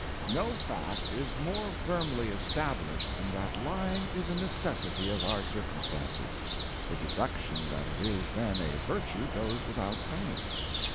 ] No fact is more firmly established than that lying is a necessity of our circumstances the deduction that it is then a Virtue goes without saying.